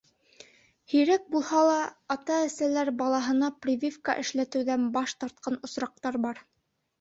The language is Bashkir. Һирәк булһа ла, ата-әсәләр балаһына прививка эшләтеүҙән баш тартҡан осраҡтар бар.